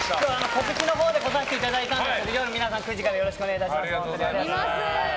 告知のほうで来させていただいたんですけど皆さん、今日の９時からよろしくお願いいたします。